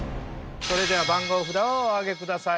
それでは番号札をお上げください。